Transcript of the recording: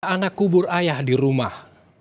anak kubur ayah di rumah